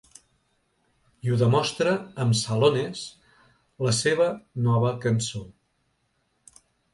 I ho demostra amb ‘Salones’, la seva nova cançó.